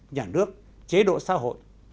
nhà nước chế độ xã hội